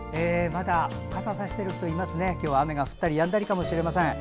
まだかささしてる人いますね今日は降ったりやんだりかもしれません。